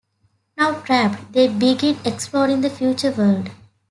Now trapped, they begin exploring the future world.